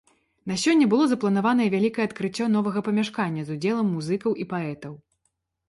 На сёння было запланаванае вялікае адкрыццё новага памяшкання з ўдзелам музыкаў і паэтаў.